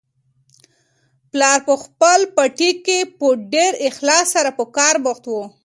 پلار په خپل پټي کې په ډېر اخلاص سره په کار بوخت و.